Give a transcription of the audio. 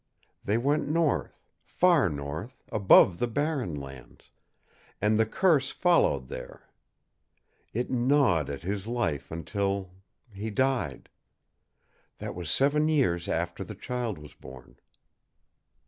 They went north far north, above the Barren Lands, and the curse followed there. It gnawed at his life until he died. That was seven years after the child was born."